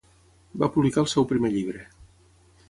Va publicar el seu primer llibre.